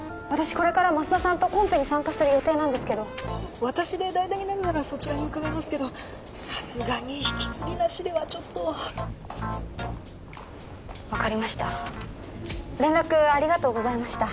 これから舛田さんとコンペに参加する予定なんですけど私で代打になるならそちらに伺いますけどさすがに引き継ぎなしではちょっと分かりました連絡ありがとうございました